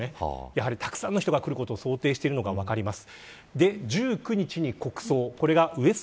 やはり、たくさんの人々がお別れに来るのを想定していることが分かります。